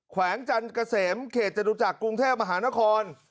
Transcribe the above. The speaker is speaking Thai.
แวงจันเกษมเขตจตุจักรกรุงเทพมหานคร